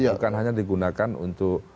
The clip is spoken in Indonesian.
bukan hanya digunakan untuk